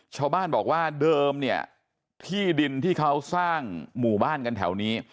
ชาวบ้านบอกว่าเดิมเนี่ยที่ดินที่เขาสร้างหมู่บ้านกันแถวนี้